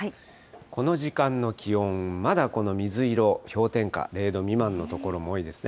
この時間の気温、まだこの水色、０度以下の所が多いですね。